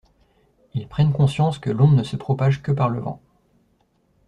Ils prennent conscience que l’onde ne se propage que par le vent.